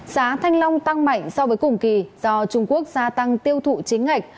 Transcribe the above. giá thanh long tăng mạnh so với cùng kỳ do trung quốc gia tăng tiêu thụ chính ngạch